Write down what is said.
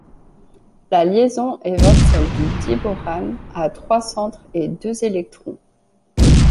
La liaison évoque celle du diborane, à trois centres et deux électrons.